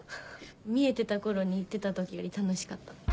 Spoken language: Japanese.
見えてた頃に行ってた時より楽しかった。